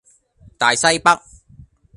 大西北